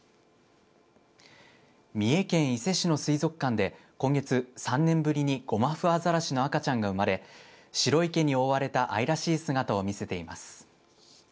三重県伊勢市の水族館で今月、３年ぶりにゴマフアザラシの赤ちゃんが生まれ白い毛に覆われた愛らしい姿を見せています。